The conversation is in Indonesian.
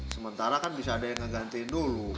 sementara kan bisa ada yang ngegantiin dulu